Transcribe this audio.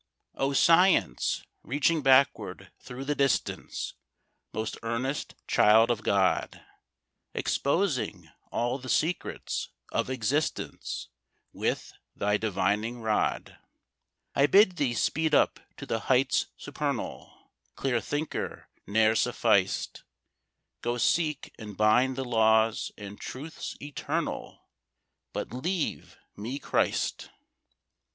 O Science reaching backward through the distance, Most earnest child of God, Exposing all the secrets of existence, With thy divining rod, I bid thee speed up to the heights supernal, Clear thinker, ne'er sufficed; Go seek and bind the laws and truths eternal, But leave me Christ.